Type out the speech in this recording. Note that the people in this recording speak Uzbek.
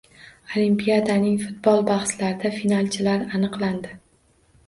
Olimpiadaning futbol bahslarida finalchilar aniqlandi